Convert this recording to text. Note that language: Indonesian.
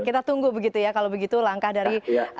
kita tunggu begitu ya kalau begitu langkah dari